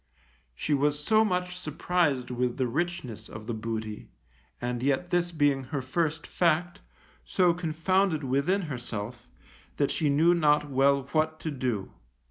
She was so much surprised with the richness of this booty, and yet this being her first fact, so confounded within herself, that she knew not well what to do.